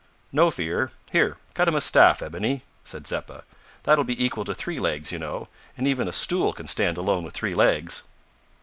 "No fear. Here, cut him a staff, Ebony," said Zeppa; "that'll be equal to three legs, you know, and even a stool can stand alone with three legs."